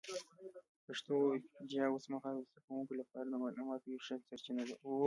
پښتو ويکيپېډيا اوس مهال د زده کوونکو لپاره د معلوماتو یوه ښه سرچینه ده.